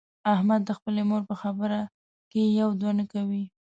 احمد د خپلې مور په خبره کې یو دوه نه کوي.